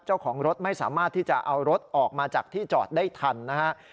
เจ้าของรถไม่สามารถที่จะเอารถออกมาจากที่จอดได้ทันนะครับ